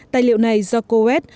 tài liệu này do coet